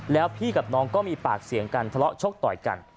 แล้วพี่กับน้องก็มีปากเสียงกันทะเลาะชกต่อยกัน